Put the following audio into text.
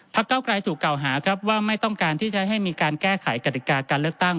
เก้าไกรถูกกล่าวหาครับว่าไม่ต้องการที่จะให้มีการแก้ไขกฎิกาการเลือกตั้ง